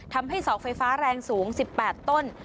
ทำให้เสาไฟฟ้าแรงสูง๑๘ต้น